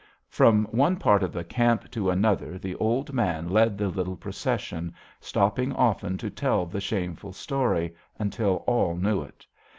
"From one part of the camp to another the old man led the little procession, stopping often to tell the shameful story, until all knew it.